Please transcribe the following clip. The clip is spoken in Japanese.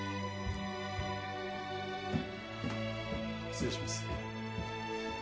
失礼します。